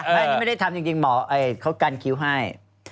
นี่ไม่ได้ทำจริงเค้ากันคิวให้